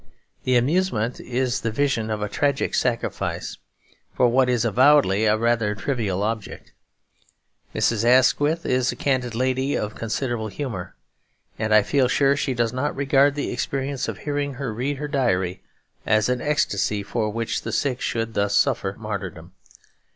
The amusement is in the vision of a tragic sacrifice for what is avowedly a rather trivial object. Mrs. Asquith is a candid lady of considerable humour; and I feel sure she does not regard the experience of hearing her read her diary as an ecstasy for which the sick should thus suffer martyrdom.